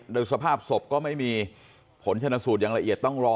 โดยสภาพศพก็ไม่มีผลชนสูตรอย่างละเอียดต้องรอ